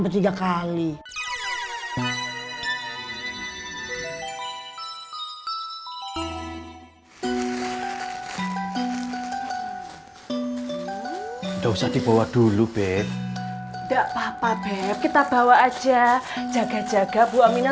enggak usah dibawa dulu beb enggak papa beb kita bawa aja jaga jaga bu aminah